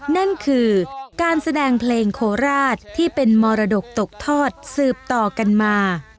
นั่นคือการแสดงเพลงโคราชที่เป็นมรดกตกทอดสืบต่อกันมา